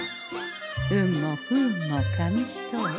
運も不運も紙一重。